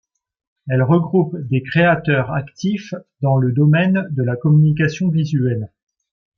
Elle regroupe des créateurs actifs dans le domaine de la communication visuelle.